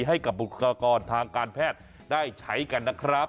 ให้กับบุคลากรทางการแพทย์ได้ใช้กันนะครับ